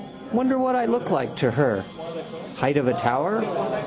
Wonder what I look like to her. Height of a tower?